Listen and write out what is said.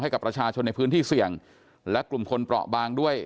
ให้กับประชาชนในพื้นที่เสี่ยงและกลุ่มคนเปราะบางด้วย